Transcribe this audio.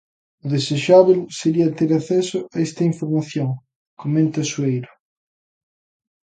"O desexábel sería ter acceso a esta información", comenta Sueiro.